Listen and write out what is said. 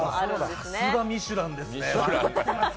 さすがミシュランですね。